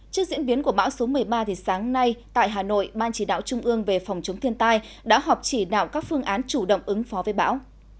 trước diễn biến của bão số một mươi ba sáng nay tại hà nội ban chỉ đạo trung ương về phòng chống thiên tai đã họp chỉ đạo các phương án chủ động ứng phó với bão